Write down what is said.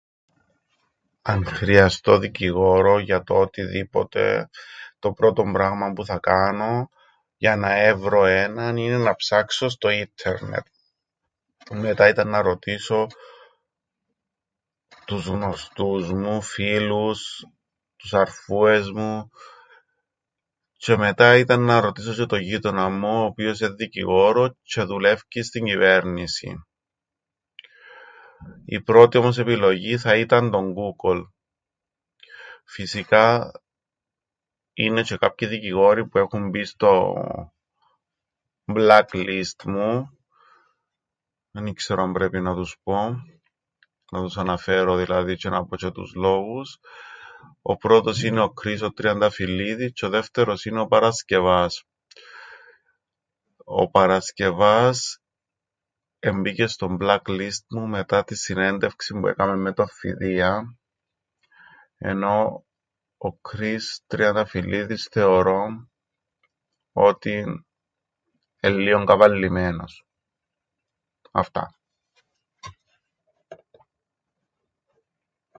Αν χρειαστώ δικηγόρον για το οτιδήποτε το πρώτον πράγμαν που θα κάνω για να έβρω έναν είναι να ψάξω στο ίττερνετ. Μετά ήταν να ρωτήσω τους γνωστούς μου, φίλους, τους αρφούες μου, τζ̆αι μετά ήταν να ρωτήσω τζ̆αι τον γείτοναν μου, ο οποίος εν' δικηγόρος τζ̆αι δουλεύκει στην κυβέρνησην. Η πρώτη όμως επιλογή θα ήταν το Γκούγκολ. Φυσικά, είναι τζ̆αι κάποιοι δικηγόροι που έχουν μπει στο μπλακ λιστ μου, εν ι-ξέρω αν πρέπει να τους πω, να τους αναφέρω δηλαδή τζ̆αι να πω τζ̆αι τους λόγους. Ο πρώτος είναι ο Κκρις ο Τριανταφυλλίδης τζ̆αι ο δεύτερος είναι ο Παρασκευάς. Ο Παρασκευάς εμπήκεν στο μπλακ λιστ μου μετά την συνέντευξην που έκαμεν με τον Φειδίαν, ενώ ο Κκρις Τριανταφυλλίδης θεωρώ ότι εν' λλίον καβαλλημένος. Αυτά.